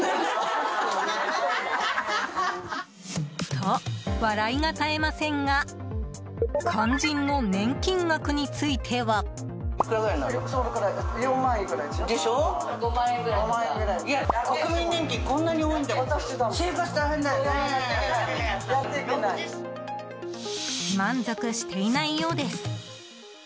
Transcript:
と、笑いが絶えませんが肝心の年金額については。満足していないようです。